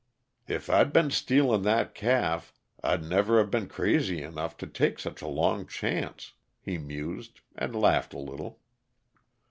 "If I'd been stealing that calf, I'd never have been crazy enough to take such a long chance," he mused, and laughed a little.